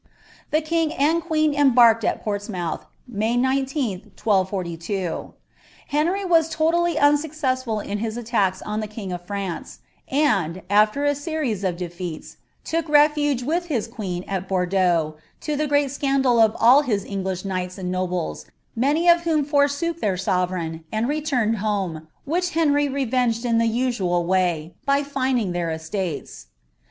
The king and queen emWked at rori«mouih. May 19, 1242. Henry was totally unsuccessful in hia aiUcka on the kiiif d France, and, after a seriea of defeats,* look refuge with his quwo al Bourdeaux, to the great scandal of all his English knights and oobla^ niony of whom forsook their sovereign, and relurned hwBe, wbieb Uenry rerenged in tlie usual way, by fining their estates.